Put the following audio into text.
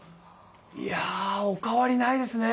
いやお変わりないですね。